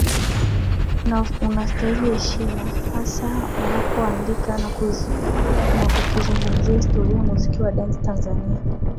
Na unastahili heshima hasa unapoandika au kuizungumzia historia ya muziki wa dansi Tanzania